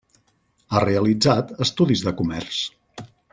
Ha realitzat estudis de comerç.